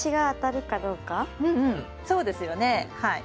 うんうんそうですよねはい。